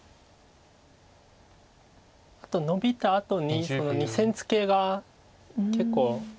あとノビたあとにその２線ツケが結構。